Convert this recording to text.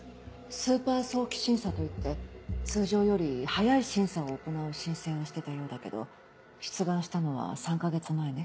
スーパー早期審査といって通常より早い審査を行う申請をしてたようだけど出願したのは３か月前ね。